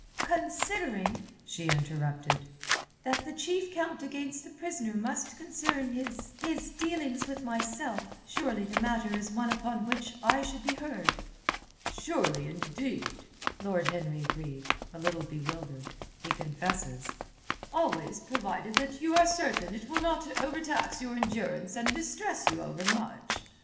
"Considering," she interrupted, "that the chief count against the prisoner must concern his... his dealings with myself, surely the matter is one upon which I should be heard." "Surely, indeed," Lord Henry agreed, a little bewildered, he confesses, "always provided you are certain it will not overtax your endurance and distress you overmuch.